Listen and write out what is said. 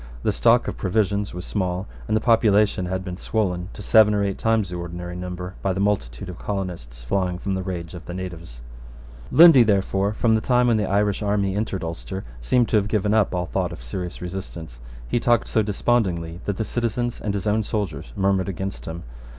The stock of provisions was small; and the population had been swollen to seven or eight times the ordinary number by a multitude of colonists flying from the rage of the natives, Lundy, therefore, from the time when the Irish army entered Ulster, seems to have given up all thought of serious resistance, He talked so despondingly that the citizens and his own soldiers murmured against him.